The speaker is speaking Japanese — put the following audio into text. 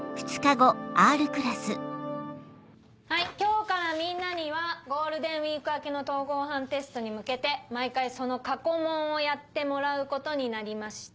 はい今日からみんなにはゴールデンウィーク明けの統合判テストに向けて毎回その過去問をやってもらうことになりました。